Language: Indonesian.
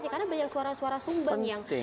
karena banyak suara suara sumbang yang